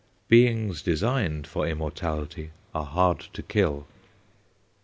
Beings designed for immortality are hard to kill.